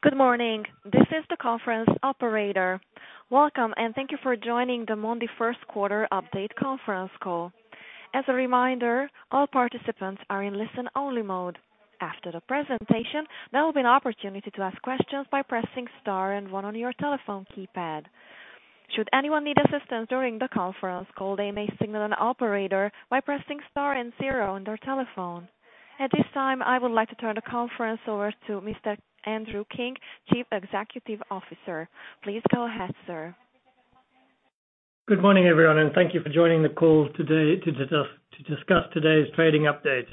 Good morning. This is the conference operator. Welcome, and thank you for joining the Mondi First Quarter Update Conference Call. As a reminder, all participants are in listen only mode. After the presentation, there will be an opportunity to ask questions by pressing star and one on your telephone keypad. Should anyone need assistance during the conference call, they may signal an operator by pressing star and zero on their telephone. At this time, I would like to turn the conference over to Mr. Andrew King, Chief Executive Officer. Please go ahead, sir. Good morning everyone, and thank you for joining the call today to discuss today's trading update.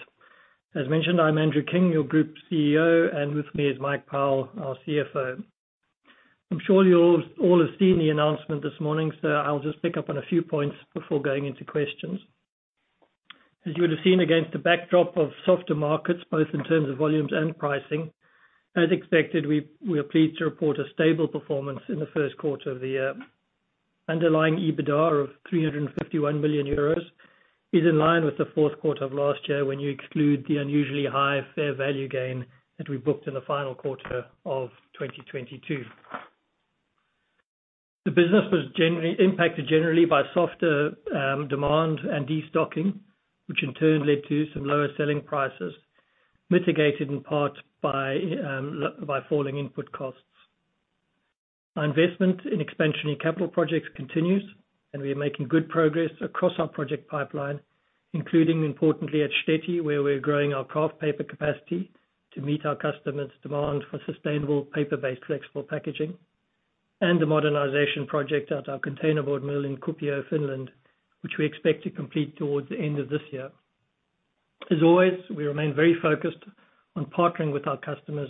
As mentioned, I'm Andrew King, your Group CEO, and with me is c I'm sure you all have seen the announcement this morning, so I'll just pick up on a few points before going into questions. As you would have seen against the backdrop of softer markets, both in terms of volumes and pricing, as expected, we are pleased to report a stable performance in the first quarter of the year. Underlying EBITDA of 351 million euros is in line with the fourth quarter of last year when you exclude the unusually high fair value gain that we booked in the final quarter of 2022. The business was impacted generally by softer demand and destocking, which in turn led to some lower selling prices mitigated in part by falling input costs. Our investment in expansionary capital projects continues, and we are making good progress across our project pipeline including importantly at Štětí, where we're growing our kraft paper capacity to meet our customers' demand for sustainable paper-based flexible packaging and the modernization project at our containerboard mill in Kuopio Finland, which we expect to complete towards the end of this year. As always, we remain very focused on partnering with our customers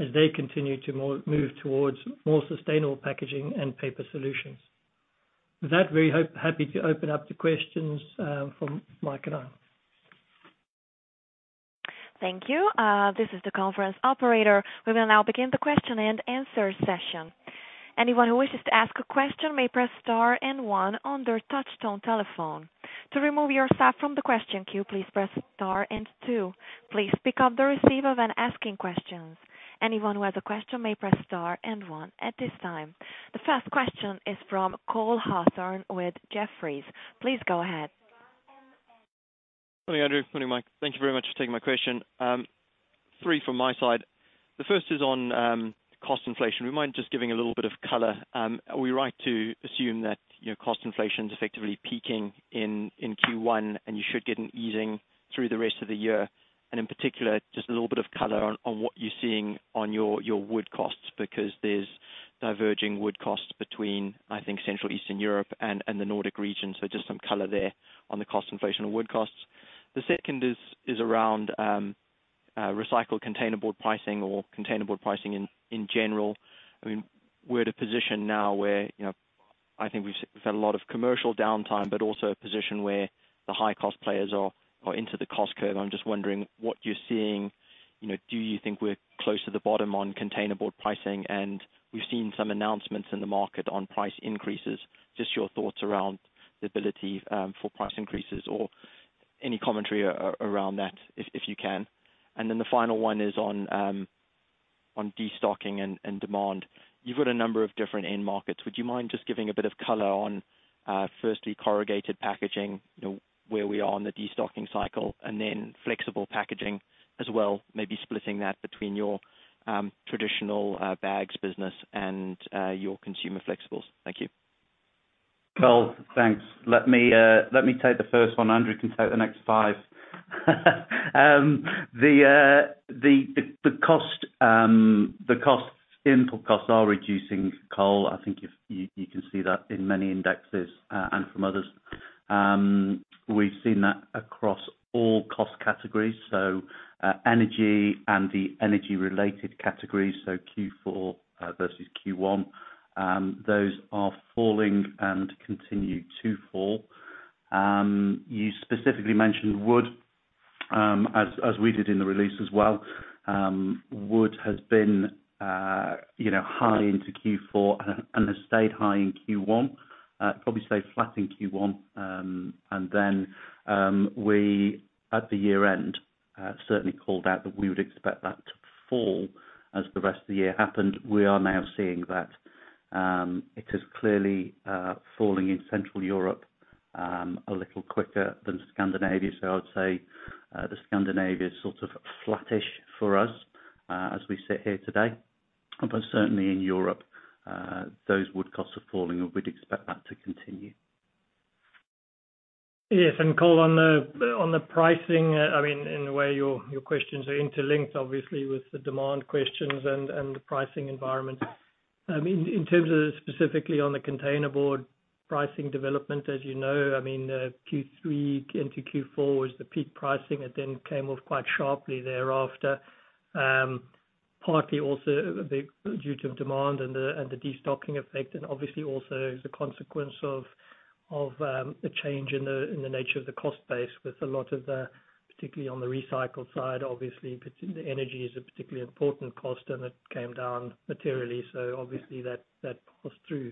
as they continue to move towards more sustainable packaging and paper solutions. With that, we're happy to open up to questions from Mike and I. Thank you. This is the conference operator. We will now begin the question and answer session. Anyone who wishes to ask a question may press star and one on their touchtone telephone. To remove yourself from the question queue please press star and two. Please pick up the receiver when asking questions. Anyone who has a question may press star and one at this time. The first question is from Cole Hathorn with Jefferies. Please go ahead. Mornin Andrew, Morning Mike. Thank you very much for taking my question. Three from my side. The first is on cost inflation. Would you mind just giving a little bit of color? Are we right to assume that, you know, cost inflation's effectively peaking in Q1, and you should get an easing through the rest of the year? In particular just a little bit of color on what you're seeing on your wood costs because there's diverging wood costs between, I think, Central Eastern Europe and the Nordic region. Just some color there on the cost inflation of wood costs. The second is around recycled containerboard pricing or containerboard pricing in general. I mean we're at a position now where you know, I think we've had a lot of commercial downtime but also a position where the high cost players are into the cost curve. I'm just wondering what you're seeing. You know, do you think we're close to the bottom on containerboard pricing? We've seen some announcements in the market on price increases. Just your thoughts around the ability for price increases or any commentary around that if you can. The final one is on destocking and demand. You've got a number of different end markets. Would you mind just giving a bit of color on, firstly, corrugated packaging, you know, where we are in the destocking cycle, and then flexible packaging as well, maybe splitting that between your traditional bags business and your consumer flexibles? Thank you. Cole, thanks. Let me let me take the first one. Andrew can take the next five. The costs input costs are reducing Cole. I think you, you can see that in many indexes, and from others. We've seen that across all cost categories, so energy and the energy-related categories, so Q4 versus Q1, those are falling and continue to fall. You specifically mentioned wood, as we did in the release as well. Wood has been you know high into Q4 and has stayed high in Q1. Probably stayed flat in Q1. We at the year-end certainly called out that we would expect that to fall as the rest of the year happened. We are now seeing that. It is clearly falling in Central Europe, a little quicker than Scandinavia. I would say the Scandinavia is sort of flattish for us as we sit here today. Certainly in Europe, those wood costs are falling and we'd expect that to continue. Yes, Cole, on the pricing I mean in a way your questions are interlinked obviously with the demand questions and the pricing environment. In terms of specifically on the containerboard pricing development, as you know I mean Q3 into Q4 was the peak pricing. It then came off quite sharply thereafter, partly also a big due to demand and the destocking effect and obviously also the consequence of a change in the nature of the cost base with a lot of the particularly on the recycled side obviously energy is a particularly important cost, and it came down materially. Obviously that passed through.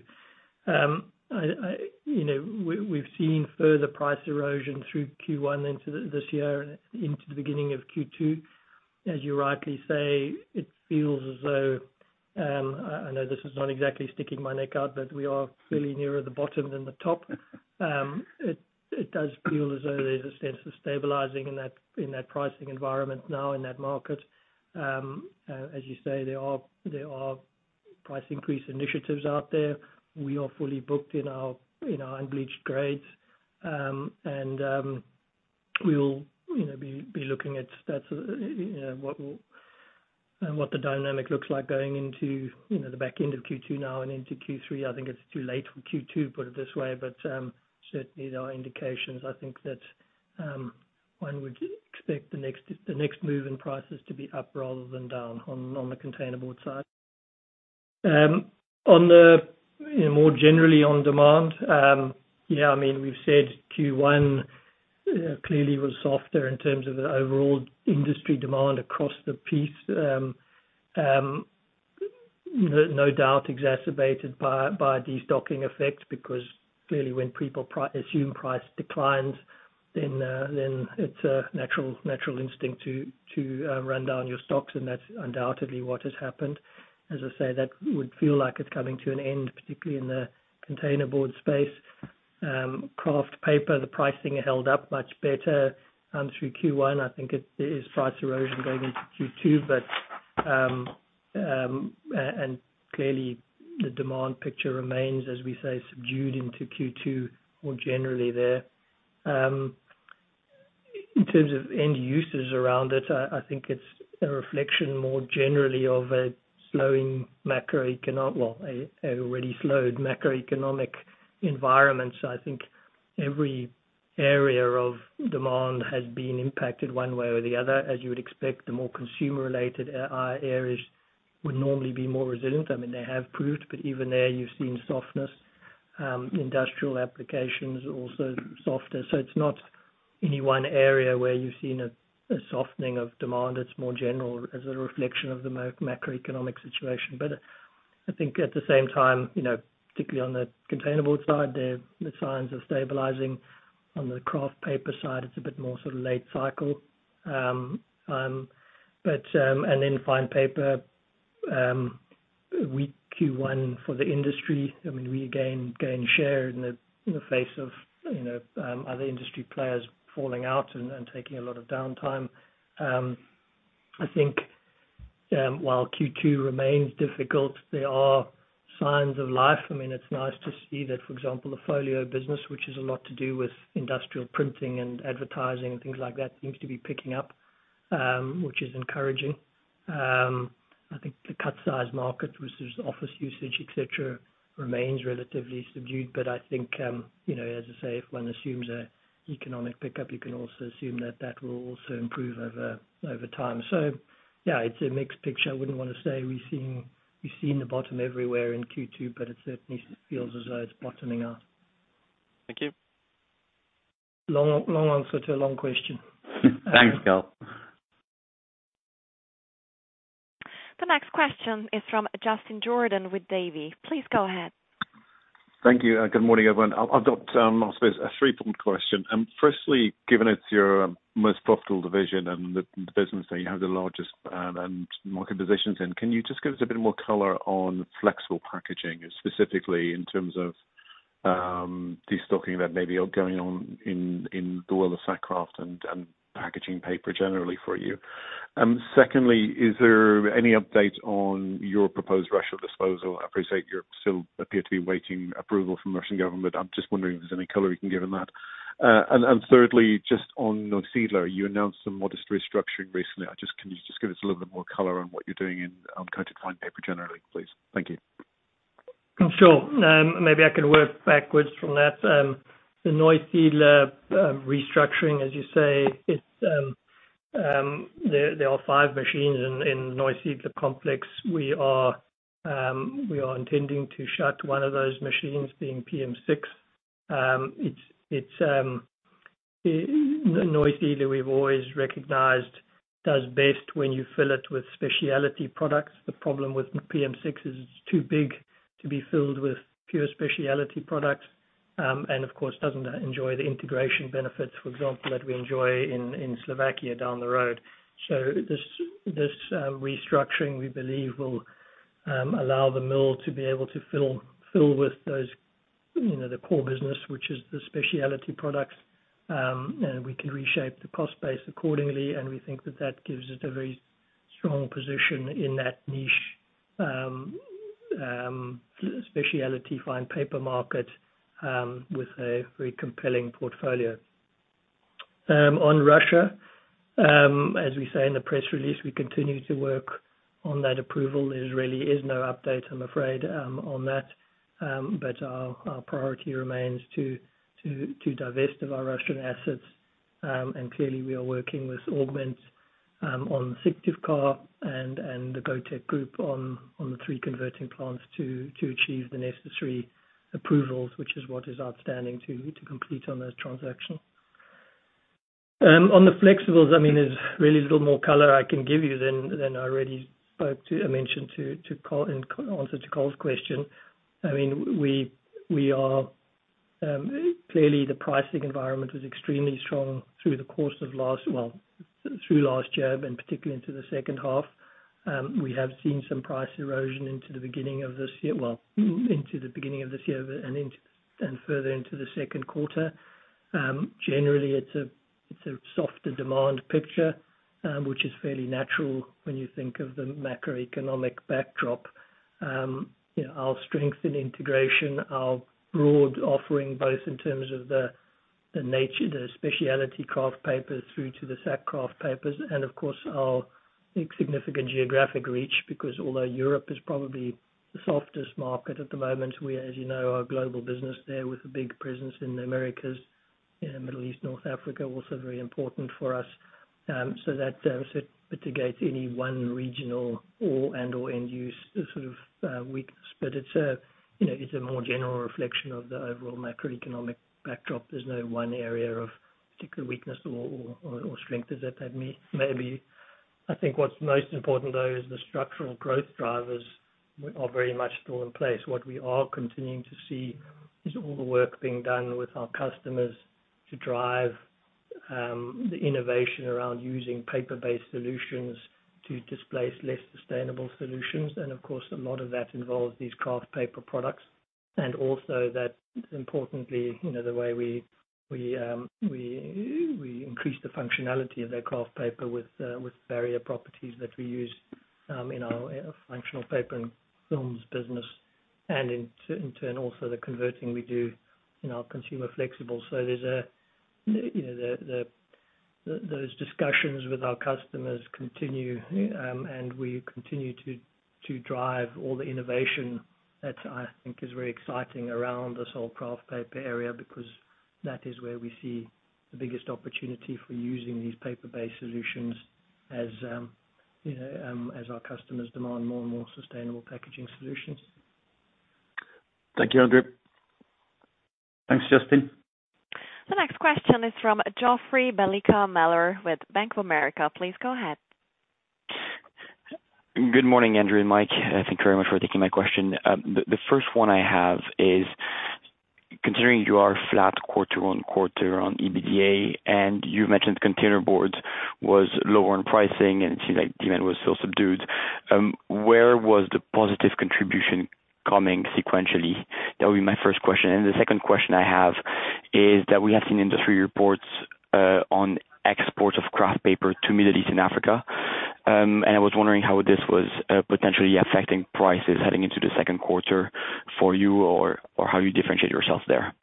I you know we've seen further price erosion through Q1 into this year, into the beginning of Q2. As you rightly say it feels as though, I know this is not exactly sticking my neck out, we are clearly nearer the bottom than the top. It does feel as though there's a sense of stabilizing in that pricing environment now in that market. As you say, there are price increase initiatives out there. We are fully booked in our unbleached grades. We'll, you know, be looking at stats, you know, what the dynamic looks like going into, you know, the back end of Q2 now and into Q3. I think it's too late for Q2, put it this way certainly there are indications, I think, that one would expect the next move in prices to be up rather than down on the containerboard side. You know more generally on demand I mean, we've said Q1 clearly was softer in terms of the overall industry demand across the piece. No doubt exacerbated by a destocking effect because clearly when people assume price declines, then it's a natural instinct to run down your stocks, and that's undoubtedly what has happened. As I say, that would feel like it's coming to an end, particularly in the containerboard space. Kraft paper, the pricing held up much better through Q1. I think it, there is price erosion going into Q2. Clearly the demand picture remains, as we say, subdued into Q2 more generally there. In terms of end users around it, I think it's a reflection more generally of an already slowed macroeconomic environment. I think every area of demand has been impacted one way or the other. As you would expect, the more consumer related areas would normally be more resilient. I mean, they have proved, but even there you've seen softness. Industrial applications also softer. It's not any one area where you've seen a softening of demand. It's more general as a reflection of the macroeconomic situation. I think at the same time, you know, particularly on the containerboard side, the signs are stabilizing. On the kraft paper side, it's a bit more sort of late cycle. Then fine paper, Q1 for the industry, I mean, we again gain share in the, in the face of, you know, other industry players falling out and taking a lot of downtime. I think, while Q2 remains difficult, there are signs of life. I mean, it's nice to see that, for example, the folio business, which is a lot to do with industrial printing and advertising and things like that, seems to be picking up, which is encouraging. I think the cut size market versus office usage, et cetera, remains relatively subdued. I think, you know, as I say, if one assumes a economic pickup, you can also assume that that will also improve over time. Yeah, it's a mixed picture. I wouldn't want to say we're seeing, we've seen the bottom everywhere in Q2, but it certainly feels as though it's bottoming out. Thank you. Long, long answer to a long question. Thanks, Carl. The next question is from Justin Jordan with Davy. Please go ahead. Thank you. Good morning, everyone. I've got, I suppose a 3-point question. Firstly, given it's your most profitable division and the business that you have the largest and market positions in, can you just give us a bit more color on Flexible Packaging, specifically in terms of destocking that may be going on in the world of sack kraft and packaging paper generally for you? Secondly, is there any update on your proposed Russian disposal? I appreciate you still appear to be awaiting approval from Russian government. I'm just wondering if there's any color you can give on that. Thirdly, just on Neusiedler, you announced some modest restructuring recently. Can you just give us a little bit more color on what you're doing in uncoated fine paper generally, please? Thank you. Sure. Maybe I can work backwards from that. The Neusiedler restructuring, as you say. There are five machines in Neusiedler complex. We are intending to shut one of those machines, being PM6. Neusiedler we've always recognized does best when you fill it with speciality products. The problem with PM6 is it's too big to be filled with pure speciality products, and of course doesn't enjoy the integration benefits, for example, that we enjoy in Slovakia down the road. This restructuring, we believe, will allow the mill to be able to fill with those, you know, the core business, which is the speciality products. We can reshape the cost base accordingly, and we think that that gives us a very strong position in that niche, specialty fine paper market, with a very compelling portfolio. On Russia, as we say in the press release, we continue to work on that approval. There really is no update, I'm afraid, on that. Our priority remains to divest of our Russian assets. Clearly we are working with Augment, on Syktyvkar and the Gotek Group on the three converting plants to achieve the necessary approvals, which is what is outstanding to complete on those transactions. On the flexibles, I mean, there's really little more color I can give you than I already spoke to, I mentioned to Cole's question. I mean, we are clearly the pricing environment was extremely strong through the course of last year, but particularly into the second half. We have seen some price erosion into the beginning of this year and further into the second quarter. Generally it's a softer demand picture, which is fairly natural when you think of the macroeconomic backdrop. You know, our strength in integration, our broad offering, both in terms of the nature, the Specialty Kraft papers through to the Sack Kraft papers and of course our significant geographic reach because although Europe is probably the softest market at the moment, we as you know, are a global business there with a big presence in the Americas, you know, Middle East, North Africa, also very important for us. That sort of mitigates any one regional or, and/or end use sort of weakness. It's a, you know, it's a more general reflection of the overall macroeconomic backdrop. There's no one area of particular weakness or strength that maybe. I think what's most important though is the structural growth drivers are very much still in place. What we are continuing to see is all the work being done with our customers to drive the innovation around using paper-based solutions to displace less sustainable solutions. Of course, a lot of that involves these kraft paper products. Also that importantly, you know, the way we increase the functionality of their kraft paper with barrier properties that we use in our functional paper and films business and in turn also the converting we do in our consumer flexibles. There's, you know, those discussions with our customers continue, and we continue to drive all the innovation that I think is very exciting around this whole kraft paper area because that is where we see the biggest opportunity for using these paper-based solutions as, you know, as our customers demand more and more sustainable packaging solutions. Thank you, Andrew. Thanks, Justin. The next question is from Joffrey Bellicha Meller with Bank of America. Please go ahead. Good morning, Andrew and Mike. Thank you very much for taking my question. The first one I have is considering you are flat quarter-on-quarter on EBITDA, and you've mentioned containerboard was lower in pricing and it seems like demand was still subdued, where was the positive contribution coming sequentially? That would be my first question. The second question I have is that we have seen industry reports on exports of kraft paper to Middle East and Africa, and I was wondering how this was potentially affecting prices heading into the second quarter for you or how you differentiate yourselves there.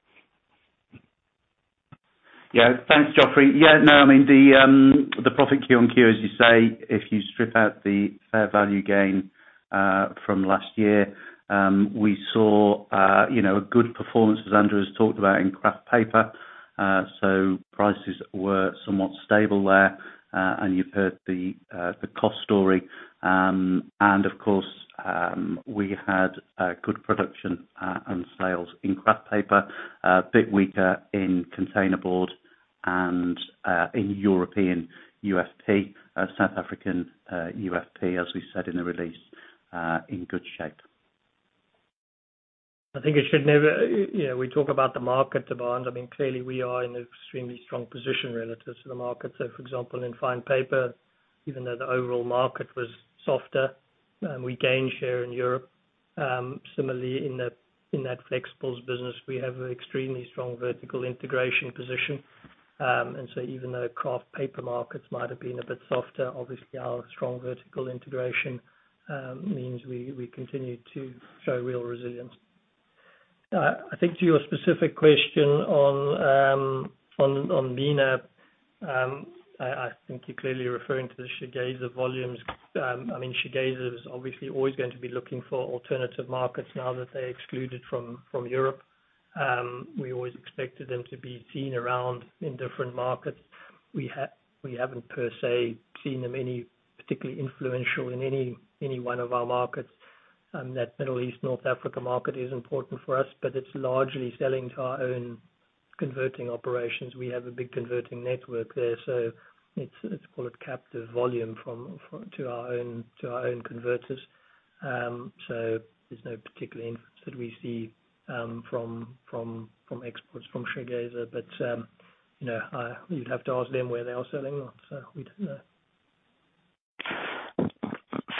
Thanks, Geoffrey. No, I mean, the profit Q on Q as you say, if you strip out the fair value gain from last year, we saw, you know, a good performance as Andrew has talked about in kraft paper. So prices were somewhat stable there. And you've heard the cost story. And of course, we had good production and sales in kraft paper, a bit weaker in containerboard and in European UFP. South African UFP, as we said in the release, in good shape. I think it should never. You know, we talk about the market demand. I mean, clearly we are in an extremely strong position relative to the market. For example, in fine paper, even though the overall market was softer, we gained share in Europe. Similarly in the, in that flexibles business, we have an extremely strong vertical integration position. Even though kraft paper markets might have been a bit softer, obviously our strong vertical integration means we continue to show real resilience. I think to your specific question on MENA, I think you're clearly referring to the Syktyvkar volumes. I mean, Syktyvkar is obviously always going to be looking for alternative markets now that they're excluded from Europe. We always expected them to be seen around in different markets. We haven't per se seen them any particularly influential in any one of our markets. That Middle East North Africa market is important for us, but it's largely selling to our own converting operations. We have a big converting network there. It's, let's call it captive volume from to our own converters. There's no particular influence that we see from exports from Syktyvkar. You know, you'd have to ask them where they are selling. We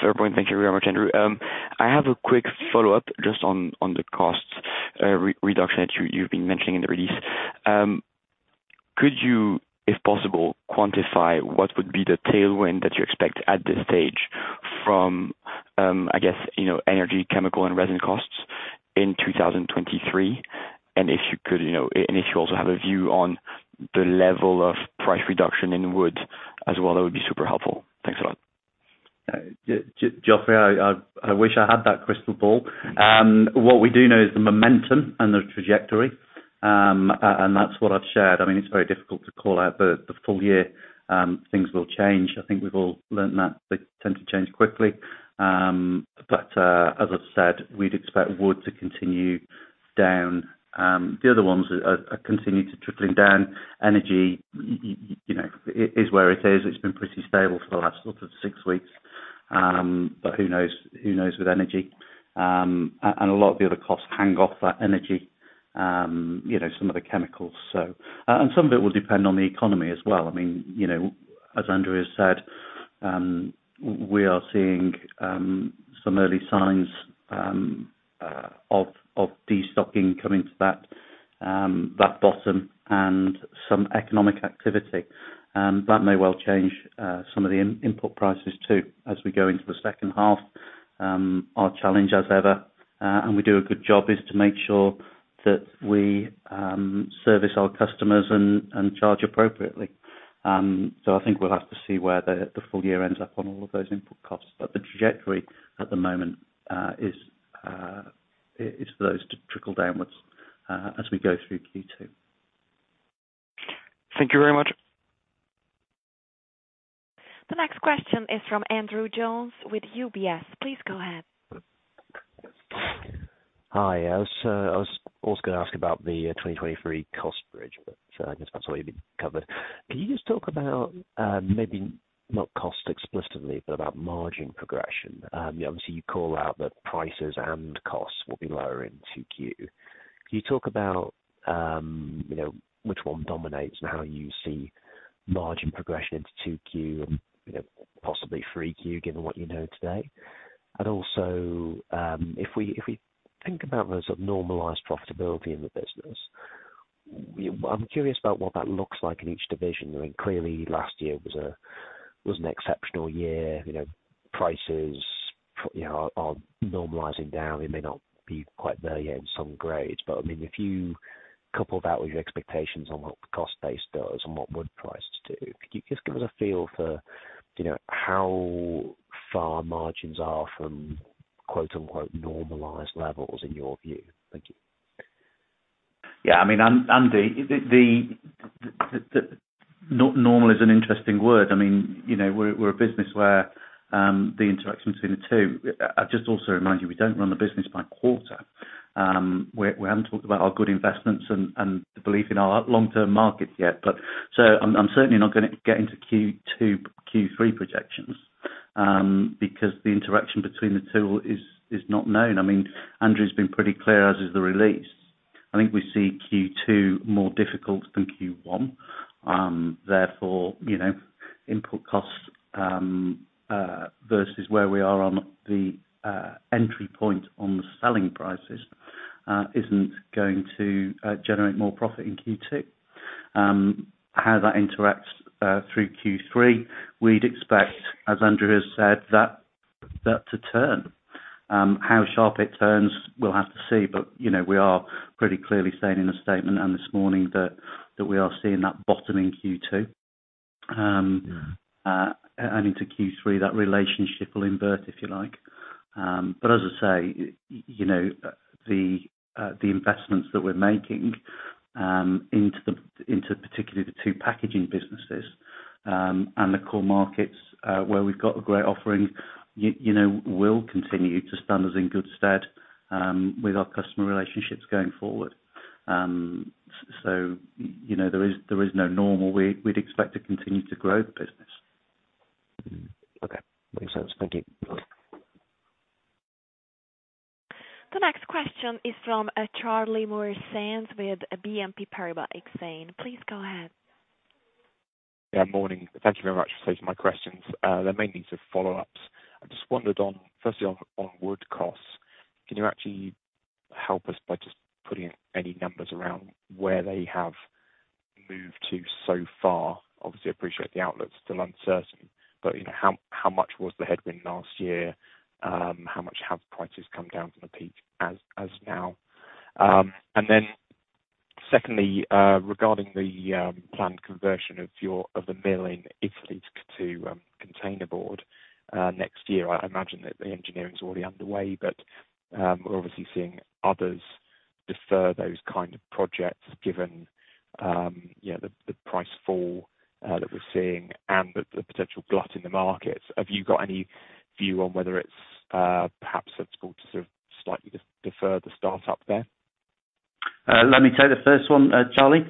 don't know. Fair point. Thank you very much, Andrew. I have a quick follow-up just on the cost re-reduction that you've been mentioning in the release. Could you, if possible, quantify what would be the tailwind that you expect at this stage from, I guess, you know, energy, chemical, and resin costs in 2023? If you could, you know, and if you also have a view on the level of price reduction in wood as well, that would be super helpful. Thanks a lot. Geoffrey, I wish I had that crystal ball. What we do know is the momentum and the trajectory. That's what I've shared. I mean, it's very difficult to call out the full year. Things will change. I think we've all learned that they tend to change quickly. As I've said, we'd expect wood to continue down. The other ones are continuing to trickling down. Energy you know, is where it is. It's been pretty stable for the last sort of six weeks. Who knows, who knows with energy? A lot of the other costs hang off that energy, you know, some of the chemicals so. Some of it will depend on the economy as well. I mean, you know, as Andrew has said, we are seeing some early signs of destocking coming to that bottom and some economic activity. That may well change some of the input prices too, as we go into the second half. Our challenge as ever, and we do a good job, is to make sure that we service our customers and charge appropriately. I think we'll have to see where the full year ends up on all of those input costs. The trajectory at the moment is for those to trickle downwards as we go through Q2. Thank you very much. The next question is from Andrew Jones with UBS. Please go ahead. Hi. I was also gonna ask about the 2023 cost bridge, but, so I guess that's already been covered. Can you just talk about maybe not cost explicitly, but about margin progression? Obviously you call out that prices and costs will be lower in 2Q. Can you talk about, you know, which one dominates and how you see margin progression into 2Q and, you know, possibly 3Q, given what you know today? Also, if we think about the sort of normalized profitability in the business, I'm curious about what that looks like in each division. I mean, clearly last year was an exceptional year. You know, prices, you know, are normalizing down. They may not be quite there yet in some grades, I mean, if you couple that with your expectations on what the cost base does and what wood price do, could you just give us a feel for, you know, how far margins are from quote unquote normalized levels in your view? Thank you. Yeah, I mean, Andy, the normal is an interesting word. I mean, you know, we're a business where the interaction between the two. Just also remind you, we don't run the business by quarter. We haven't talked about our good investments and the belief in our long-term markets yet, but so I'm certainly not gonna get into Q2, Q3 projections because the interaction between the two is not known. I mean, Andrew's been pretty clear, as is the release. I think we see Q2 more difficult than Q1. Therefore, you know, input costs versus where we are on the entry point on the selling prices isn't going to generate more profit in Q2. How that interacts through Q3, we'd expect, as Andrew has said, that to turn. How sharp it turns, we'll have to see. You know, we are pretty clearly saying in the statement and this morning that we are seeing that bottom in Q2. Into Q3, that relationship will invert, if you like. As I say, you know, the investments that we're making into particularly the two packaging businesses and the core markets where we've got a great offering, you know, will continue to stand us in good stead with our customer relationships going forward. You know, there is no normal. We'd expect to continue to grow the business. Okay. Makes sense. Thank you. Okay. The next question is from, Charlie Morris Sands with BNP Paribas Exane. Please go ahead. Yeah. Morning. Thank you very much for taking my questions. They mainly need sort of follow-ups. I just wondered on, firstly on wood costs. Can you actually help us by just putting any numbers around where they have moved to so far? Obviously, appreciate the outlook's still uncertain, but, you know, how much was the headwind last year? How much have prices come down from the peak as now? Secondly, regarding the planned conversion of your, of the mill in Italy to containerboard next year. I imagine that the engineering's already underway, but we're obviously seeing others defer those kind of projects given, you know, the price fall that we're seeing and the potential glut in the markets. Have you got any view on whether it's perhaps sensible to sort of slightly de-defer the start-up there? Let me take the first one, Charlie.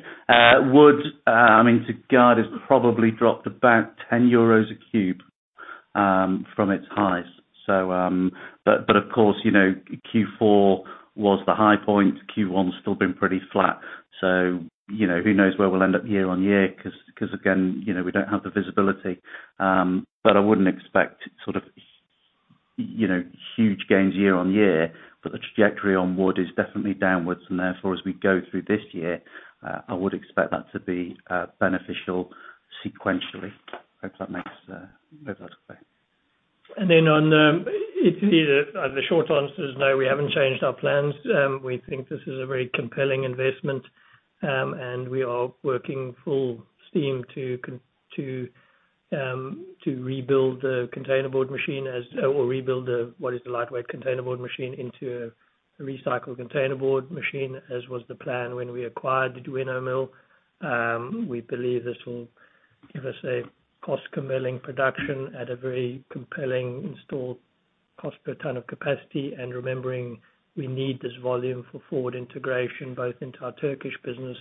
Wood, I mean, Syktyvkar, has probably dropped about 10 euros a cube from its highs. Of course, you know, Q4 was the high point. Q1's still been pretty flat. You know, who knows where we'll end up year-on-year, cause again, you know, we don't have the visibility. I wouldn't expect sort of, you know, huge gains year-on-year, the trajectory on wood is definitely downwards and therefore as we go through this year, I would expect that to be beneficial sequentially. Hope that makes, hope that's clear. On Italy, the short answer is no, we haven't changed our plans. We think this is a very compelling investment, and we are working full steam to rebuild the, what is the lightweight containerboard machine into a recycled containerboard machine, as was the plan when we acquired the Duino mill. We believe this will give us a cost-compelling production at a very compelling cost per ton of capacity and remembering we need this volume for forward integration, both into our Turkish business,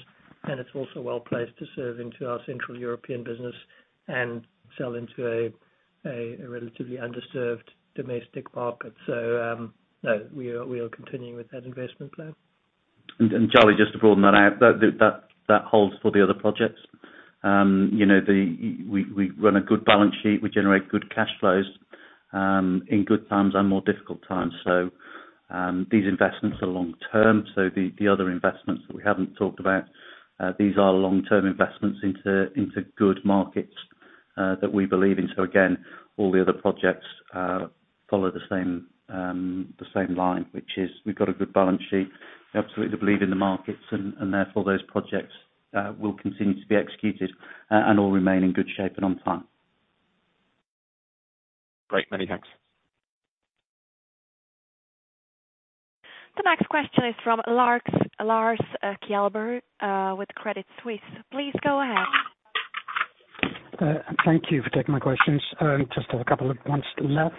and it's also well-placed to serve into our Central European business and sell into a relatively underserved domestic market. No, we are continuing with that investment plan. Charlie, just to broaden that out, that holds for the other projects. you know, We run a good balance sheet, we generate good cash flows, in good times and more difficult times. These investments are long-term, so the other investments that we haven't talked about, these are long-term investments into good markets that we believe in. Again, all the other projects follow the same line, which is we've got a good balance sheet. We absolutely believe in the markets and therefore, those projects will continue to be executed and all remain in good shape and on time. Great, many thanks. The next question is from Lars Kjellberg with Credit Suisse. Please go ahead. Thank you for taking my questions. Just have a couple of ones left.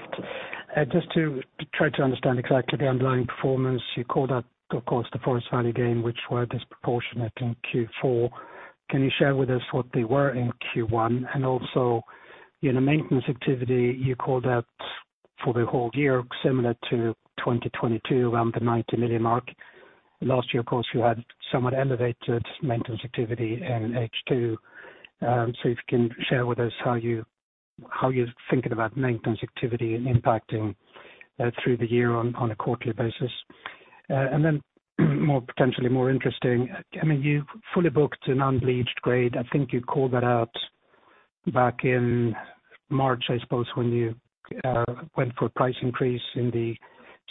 Just to try to understand exactly the underlying performance, you called out, of course, the forestry fair value gain, which were disproportionate in Q4. Can you share with us what they were in Q1? Also, you know, maintenance activity, you called out for the whole year, similar to 2022, around the 90 million mark. Last year, of course, you had somewhat elevated maintenance activity in H2. If you can share with us how you're thinking about maintenance activity impacting through the year on a quarterly basis. Then potentially more interesting, I mean, you've fully booked an unbleached grade. I think you called that out back in March, I suppose, when you went for a price increase in the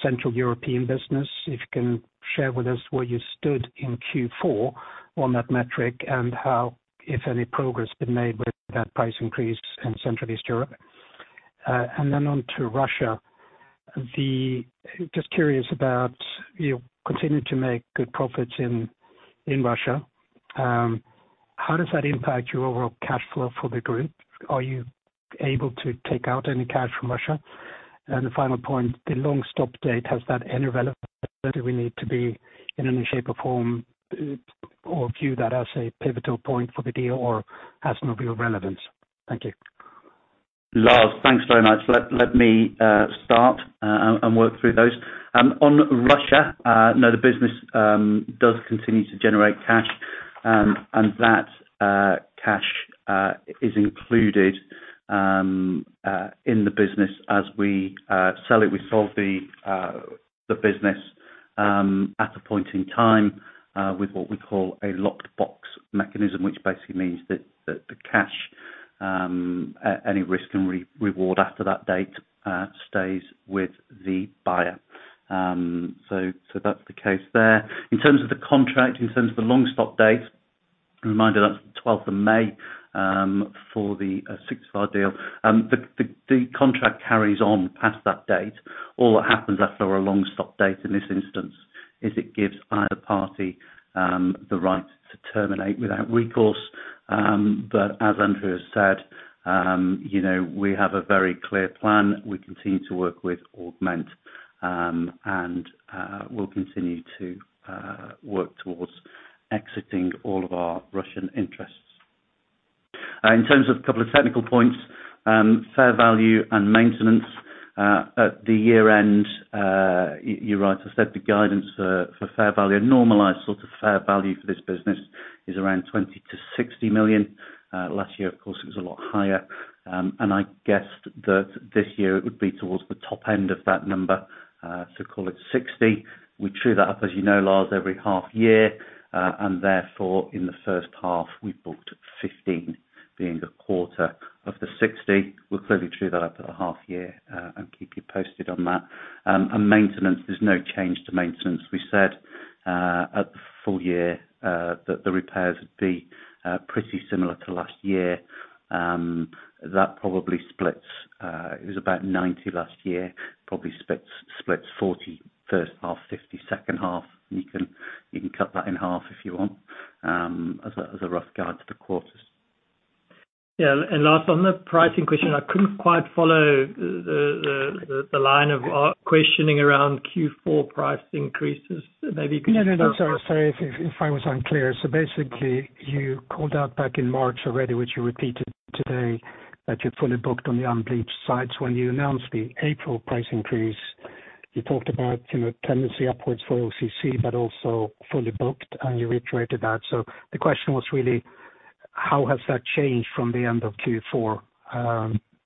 Central European business. If you can share with us where you stood in Q4 on that metric and how, if any progress has been made with that price increase in Central East Europe. Then on to Russia. Just curious about, you continue to make good profits in Russia. How does that impact your overall cash flow for the group? Are you able to take out any cash from Russia? The final point, the long stop date, has that any relevance? Do we need to be in any shape or form or view that as a pivotal point for the deal or has no real relevance? Thank you. Lars, thanks very much. Let me start and work through those. On Russia, no, the business does continue to generate cash, and that cash is included in the business as we sell it. We sold the business at a point in time with what we call a locked box mechanism, which basically means that the cash, any risk and reward after that date, stays with the buyer. That's the case there. In terms of the contract, in terms of the long stop date, reminder that's the twelfth of May, for the Syktyvkar deal. The contract carries on past that date, or what happens after a long stop date in this instance is it gives either party the right to terminate without recourse. As Andrew has said, you know, we have a very clear plan. We continue to work with Augment, and we'll continue to work towards exiting all of our Russian interests. In terms of a couple of technical points, fair value and maintenance at the year-end, you're right. I said the guidance for fair value, a normalized sort of fair value for this business is around 20 million-60 million. Last year, of course, it was a lot higher, I guessed that this year it would be towards the top end of that number, to call it 60 million. We true that up, as you know, Lars, every half year. Therefore, in the first half, we booked 15 being a quarter of the 60. We'll clearly true that up at a half year, and keep you posted on that. Maintenance, there's no change to maintenance. We said, at the full year, that the repairs would be pretty similar to last year. That probably splits, it was about 90 last year, probably splits 40 first half, 50 second half. You can cut that in half if you want, as a rough guide to the quarters. Yeah. Last, on the pricing question, I couldn't quite follow the line of questioning around Q4 price increases. No, no. Sorry, sorry if I was unclear. Basically, you called out back in March already, which you repeated today, that you're fully booked on the unbleached sides. When you announced the April price increase, you talked about, you know, tendency upwards for OCC, but also fully booked, and you reiterated that. The question was really how has that changed from the end of Q4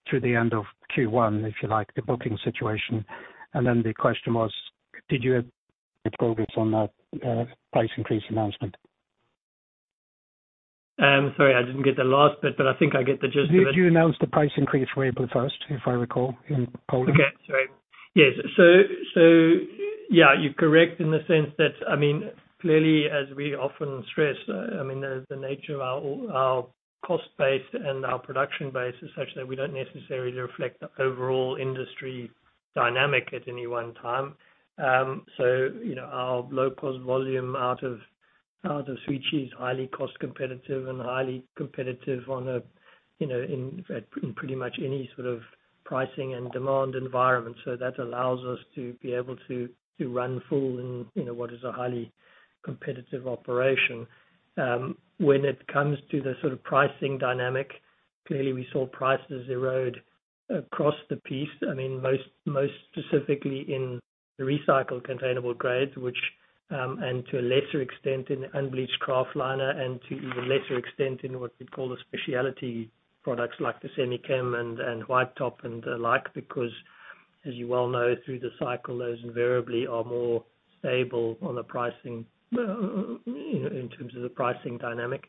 to the end of Q1, if you like, the booking situation? The question was, did you have progress on that price increase announcement? Sorry, I didn't get the last bit, but I think I get the gist of it. You announced the price increase for April first, if I recall, in Poland. Okay. Sorry. Yes. Yeah, you're correct in the sense that, I mean, clearly as we often stress, I mean, the nature of our cost base and our production base is such that we don't necessarily reflect the overall industry dynamic at any one time. You know, our low-cost volume out of Świecie is highly cost competitive and highly competitive on a, you know, in pretty much any sort of pricing and demand environment. That allows us to run full in, you know, what is a highly competitive operation. When it comes to the sort of pricing dynamic, clearly we saw prices erode across the piece. I mean, most specifically in the recycled containerboard grades, which, and to a lesser extent in unbleached kraftliner and to even lesser extent in what we call the specialty products like the semi-chem and white top and the like. Because as you well know, through the cycle those invariably are more stable on the pricing, you know, in terms of the pricing dynamic,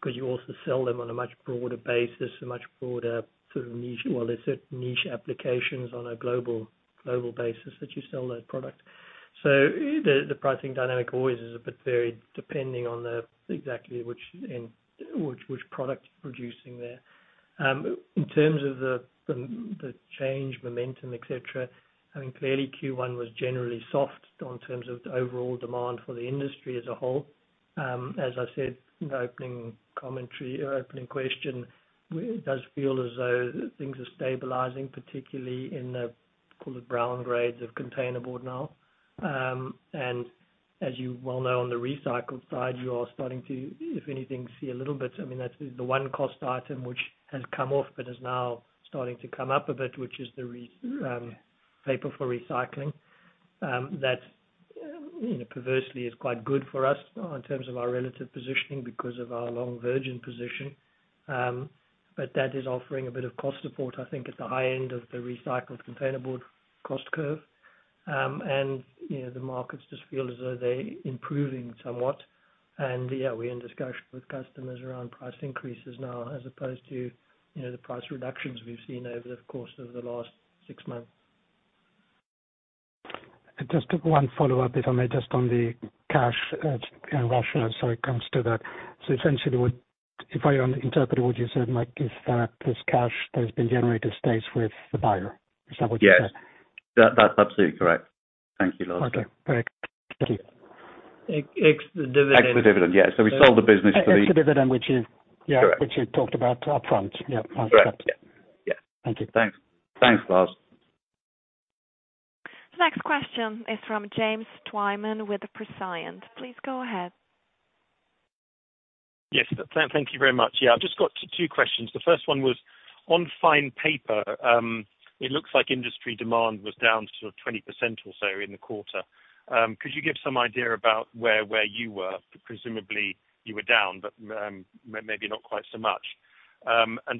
because you also sell them on a much broader basis, a much broader sort of niche. They're certain niche applications on a global basis that you sell that product. So the pricing dynamic always is a bit varied depending on the exactly which product producing there. In terms of the change momentum, et cetera, I mean clearly Q1 was generally soft in terms of the overall demand for the industry as a whole. As I said in the opening commentary or opening question, it does feel as though things are stabilizing, particularly in the call it brown grades of containerboard now. As you well know on the recycled side you are starting to if anything see a little bit. I mean that's the one cost item which has come off but is now starting to come up a bit which is paper for recycling. That's, you know, perversely is quite good for us in terms of our relative positioning because of our long virgin position. That is offering a bit of cost support I think at the high end of the recycled containerboard cost curve. You know, the markets just feel as though they're improving somewhat and yeah, we're in discussion with customers around price increases now as opposed to, you know, the price reductions we've seen over the course of the last six months. Just one follow up if I may just on the cash, in Russia as sorry it comes to that. Essentially what if I interpreted what you said, like if that this cash that has been generated stays with the buyer. Is that what you said? Yes. That's absolutely correct. Thank you, Lars. Okay, perfect. Thank you. Ex the dividend. Ex the dividend. Yeah. We sold the business to Ex the dividend. Correct. Which you talked about upfront. Yeah. Correct. Yeah. Yeah. Thank you. Thanks. Thanks, Lars. The next question is from James Twyman with Prescient. Please go ahead. Yes. Thank you very much. Yeah, I've just got two questions. The first one was on fine paper. It looks like industry demand was down sort of 20% or so in the quarter. Could you give some idea about where you were? Presumably you were down but, maybe not quite so much.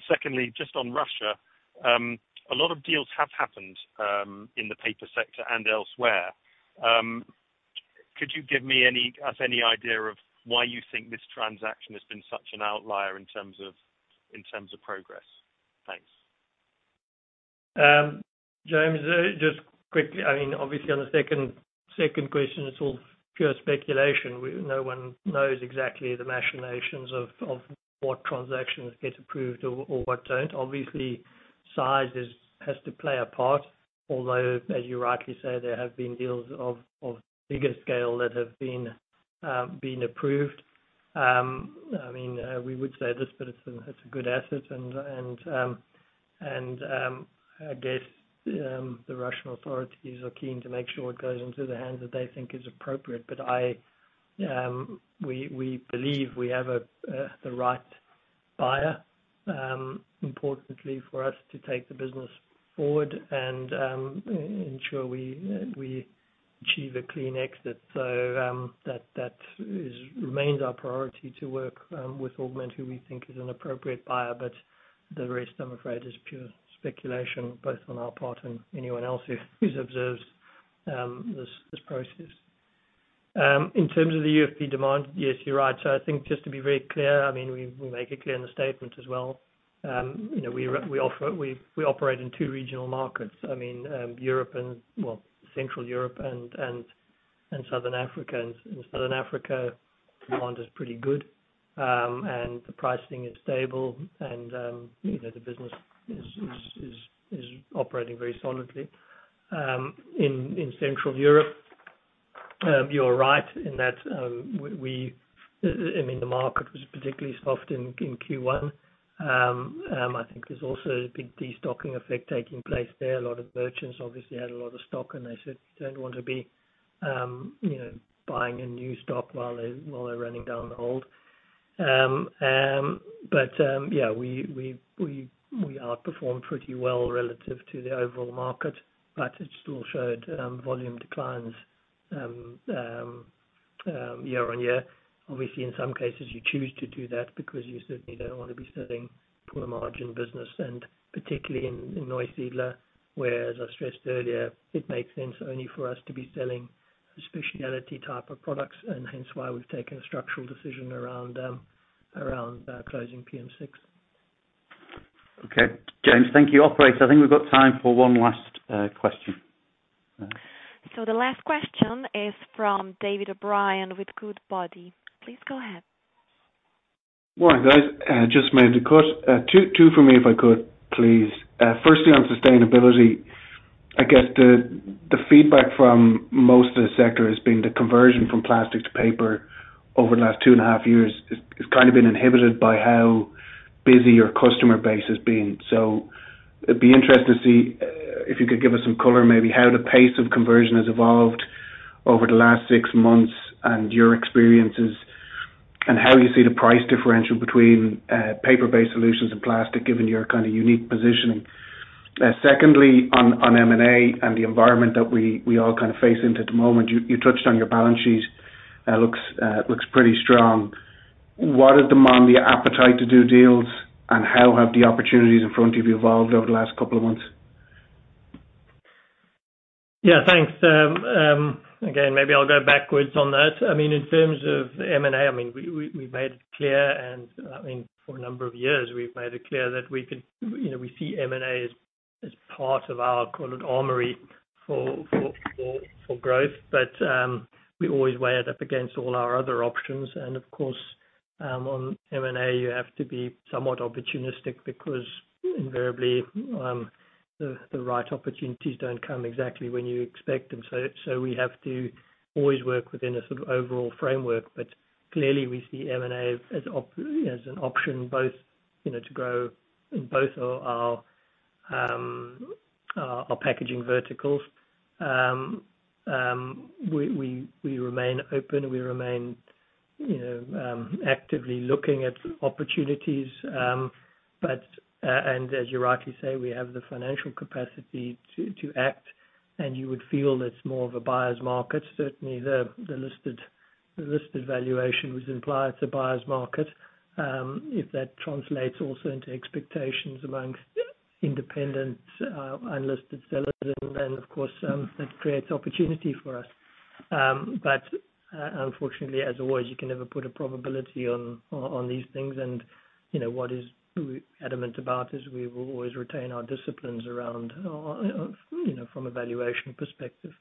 Secondly just on Russia, a lot of deals have happened in the paper sector and elsewhere. Could you give me any, us any idea of why you think this transaction has been such an outlier in terms of progress? Thanks. James, just quickly, I mean obviously on the second question it's all pure speculation. No one knows exactly the machinations of what transactions get approved or what don't. Size is, has to play a part although as you rightly say there have been deals of bigger scale that have been approved. I mean we would say this but it's a good asset and I guess the Russian authorities are keen to make sure it goes into the hands that they think is appropriate. We believe we have the right buyer, importantly for us to take the business forward and ensure we achieve a clean exit. That, that is remains our priority to work with Augment who we think is an appropriate buyer but the rest I'm afraid is pure speculation both on our part and anyone else who's observed this process. In terms of the UFP demand, yes you're right. I think just to be very clear, I mean we make it clear in the statement as well. You know, we offer, we operate in two regional markets. I mean Europe and well Central Europe and Southern Africa. In Southern Africa demand is pretty good, and the pricing is stable and, you know, the business is operating very solidly. In Central Europe, you are right in that, I mean the market was particularly soft in Q1. I think there's also a big destocking effect taking place there. A lot of merchants obviously had a lot of stock and they said you don't want to be, you know, buying a new stock while they're running down the old. Yeah, we outperformed pretty well relative to the overall market, but it still showed volume declines year-on-year. Obviously, in some cases you choose to do that because you certainly don't want to be selling poor margin business and particularly in Neusiedler where as I stressed earlier it makes sense only for us to be selling specialty type of products and hence why we've taken a structural decision around closing PM6. Okay. James, thank you. Operator, I think we've got time for one last question. The last question is from David O'Brien with Goodbody. Please go ahead. Morning, guys. Just made the cut. Two for me if I could, please. Firstly, on sustainability. I guess the feedback from most of the sector has been the conversion from plastic to paper over the last two and a half years has kinda been inhibited by how busy your customer base has been. It'd be interesting to see if you could give us some color maybe how the pace of conversion has evolved over the last six months, and your experiences, and how you see the price differential between paper-based solutions and plastic, given your kinda unique positioning. Secondly, on M&A and the environment that we all kind of face into at the moment. You touched on your balance sheet. Looks pretty strong. What is the Mondi appetite to do deals, and how have the opportunities in front of you evolved over the last couple of months? Yeah, thanks. Again, maybe I'll go backwards on that. I mean, in terms of M&A, I mean, we've made it clear and, I mean, for a number of years, we've made it clear. You know, we see M&A as part of our, call it, armory for growth. We always weigh it up against all our other options. Of course, on M&A, you have to be somewhat opportunistic because invariably, the right opportunities don't come exactly when you expect them. We have to always work within a sort of overall framework. Clearly we see M&A as an option both, you know, to grow in both our packaging verticals. We remain open and we remain, you know, actively looking at opportunities. As you rightly say, we have the financial capacity to act, and you would feel it's more of a buyer's market. Certainly the listed valuation would imply it's a buyer's market. If that translates also into expectations amongst independent unlisted sellers, then of course, that creates opportunity for us. Unfortunately, as always, you can never put a probability on these things. You know, we're adamant about is we will always retain our disciplines around, you know, from a valuation perspective.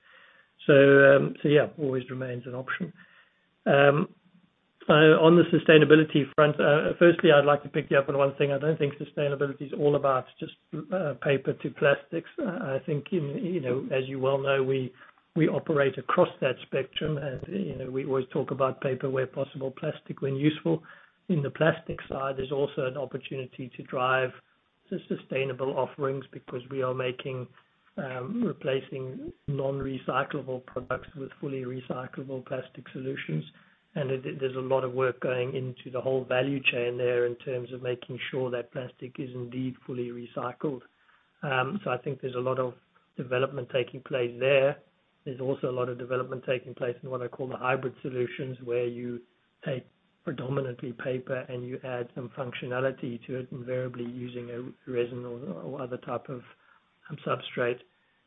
Yeah, always remains an option. On the sustainability front, firstly I'd like to pick you up on one thing. I don't think sustainability is all about just paper to plastics. I think, you know, as you well know, we operate across that spectrum. As you know, we always talk about paper where possible, plastic when useful. In the plastic side, there's also an opportunity to drive the sustainable offerings because we are making replacing non-recyclable products with fully recyclable plastic solutions. There's a lot of work going into the whole value chain there in terms of making sure that plastic is indeed fully recycled. I think there's a lot of development taking place there. There's also a lot of development taking place in what I call the hybrid solutions, where you take predominantly paper and you add some functionality to it, invariably using a resin or other type of substrate.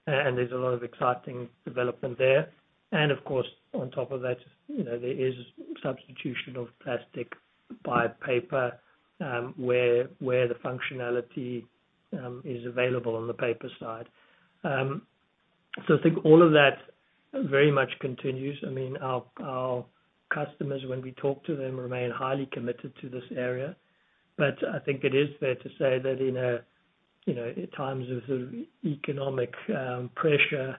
There's a lot of exciting development there. Of course, on top of that, you know, there is substitution of plastic by paper, where the functionality is available on the paper side. I think all of that very much continues. I mean, our customers, when we talk to them, remain highly committed to this area. I think it is fair to say that in a, you know, in times of sort of economic pressure,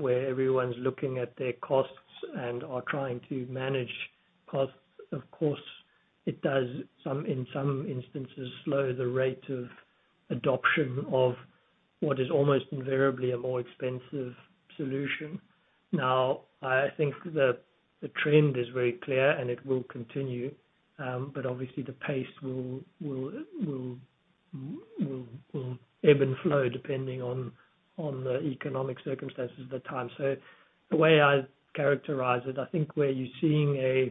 where everyone's looking at their costs and are trying to manage costs, of course it does in some instances slow the rate of adoption of what is almost invariably a more expensive solution. I think the trend is very clear and it will continue, but obviously the pace will ebb and flow depending on the economic circumstances at the time. The way I characterize it, I think where you're seeing a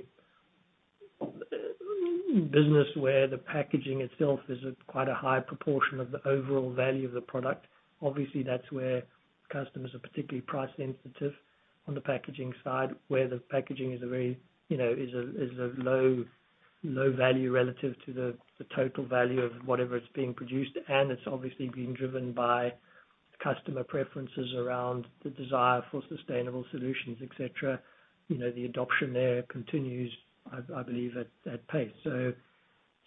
business where the packaging itself is at quite a high proportion of the overall value of the product, obviously that's where customers are particularly price sensitive on the packaging side, where the packaging is a very, you know, is a low value relative to the total value of whatever is being produced. It's obviously being driven by customer preferences around the desire for sustainable solutions, et cetera. You know, the adoption there continues, I believe at pace.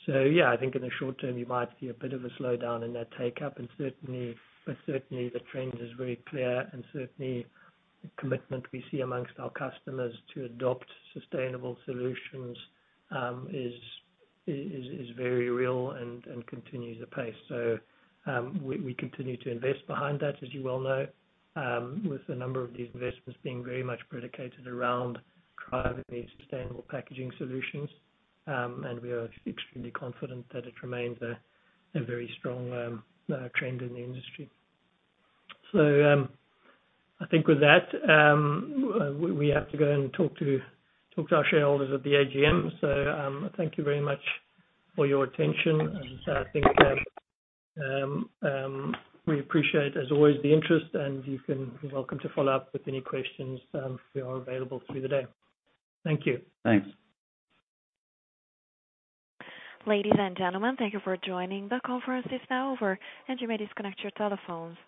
Yeah, I think in the short term you might see a bit of a slowdown in that take-up, but certainly the trend is very clear and certainly the commitment we see amongst our customers to adopt sustainable solutions is very real and continues apace. We continue to invest behind that, as you well know, with a number of these investments being very much predicated around driving these sustainable packaging solutions. We are extremely confident that it remains a very strong trend in the industry. I think with that, we have to go and talk to our shareholders at the AGM. Thank you very much for your attention. I think we appreciate as always the interest and you're welcome to follow up with any questions. We are available through the day. Thank you. Thanks. Ladies and gentlemen, thank you for joining. The conference is now over, and you may disconnect your telephones.